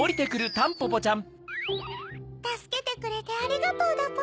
たすけてくれてありがとうだポ。